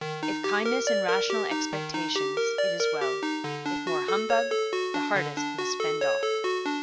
If kindness and rational expectations, it is well; if more humbug, the hardest must fend off.'